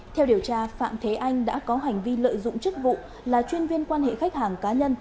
theo điều tra phạm thế anh đã có hành vi lợi dụng chức vụ là chuyên viên quan hệ khách hàng cá nhân